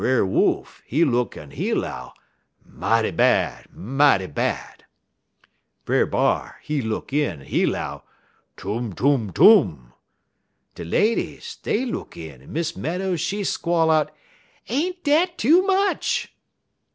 Brer Wolf, he look in, en he 'low, 'Mighty bad, mighty bad!' Brer B'ar, he look in, en he 'low, 'Tum, tum, tum!' De ladies dey look in, en Miss Meadows she squall out, 'Ain't dat too much?'